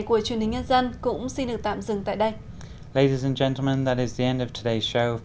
của truyền hình nhân dân cũng xin được tạm dừng tại đây